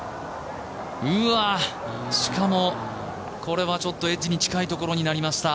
うわ、しかもこれはちょっとエッジに近いところになりました。